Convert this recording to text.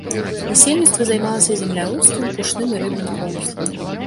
Насельніцтва займалася земляробствам, пушным і рыбным промысламі.